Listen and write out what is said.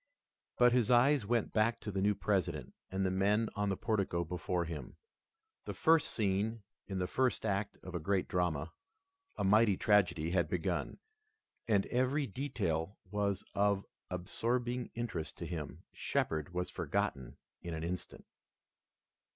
But his eyes went back to the new President and the men on the portico before him. The first scene in the first act of a great drama, a mighty tragedy, had begun, and every detail was of absorbing interest to him. Shepard was forgotten in an instant.